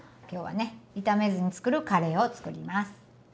今日はね炒めずに作るカレーを作ります。